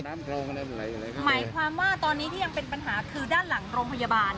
หมายความว่าตอนนี้ที่ยังเป็นปัญหาคือด้านหลังโรงพยาบาล